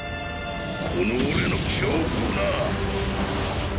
この俺の恐怖をな！